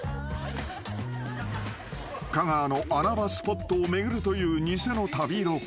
［香川の穴場スポットを巡るという偽の旅ロケ］